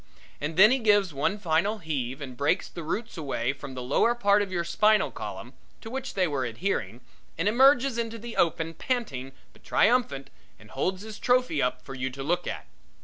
And then he gives one final heave and breaks the roots away from the lower part of your spinal column to which they were adhering, and emerges into the open panting but triumphant, and holds his trophy up for you to look at.